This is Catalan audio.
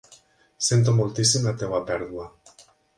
Sento moltíssim la teva pèrdua.